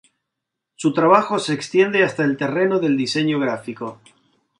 Su trabajo se extiende hasta el terreno del diseño gráfico.